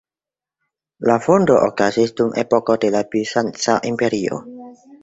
La fondo okazis dum epoko de la Bizanca Imperio.